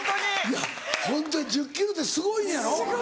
いやホントに１０ｋｇってすごいねやろ？